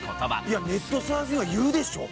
いやネットサーフィンは言うでしょ。